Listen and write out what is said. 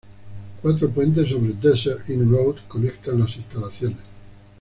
Cuatro puentes sobre Desert Inn Road conectan las instalaciones.